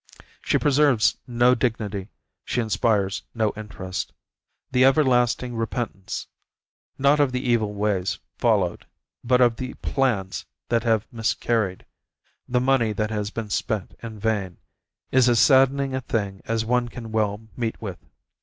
She preserves no dignity, she inspires no interest. The everlasting repentance, not of the evil ways followed, but of the plans that have miscarried, the money that has been spent in vain, is as saddening a thing as one can well meet with.